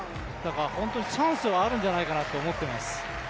本当にチャンスはあるんじゃないかなと思ってます。